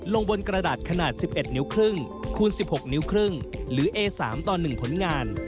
ลงบนกระดาษขนาด๑๑นิ้วครึ่งคูณ๑๖นิ้วครึ่ง